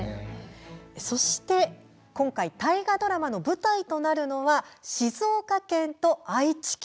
そして今回、大河ドラマの舞台となるのは静岡県と愛知県。